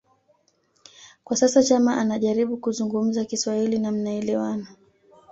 kwa sasa Chama anajaribu kuzungumza Kiswahili na mnaelewana